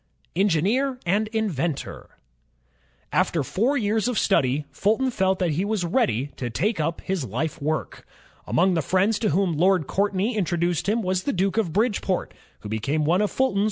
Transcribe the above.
Engineer and Inventor After four years of study, Fulton felt that he was ready to take up his life work. Among the friends to whom Lord Courtney introduced him was the Duke of Bridge water, who became one of Fulton's good friends.